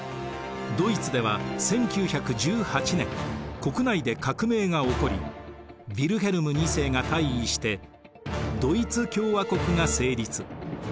ドイツでは１９１８年国内で革命が起こりヴィルヘルム２世が退位してドイツ共和国が成立。